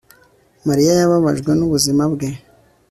Mariya yababajwe nubuzima bwe